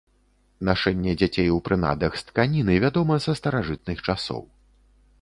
Нашэнне дзяцей у прынадах з тканіны вядома са старажытных часоў.